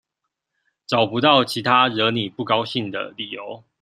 找不到其他惹你不高興的理由